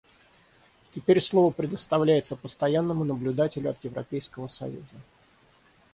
Теперь слово предоставляется Постоянному наблюдателю от Европейского союза.